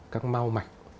các mau mạch